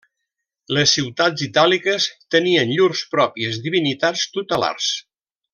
Les ciutats itàliques tenien llurs pròpies divinitats tutelars.